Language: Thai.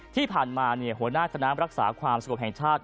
ที่ผ่านมาเนี่ยหัวหน้าธนามรักษาความสะกดแห่งชาติ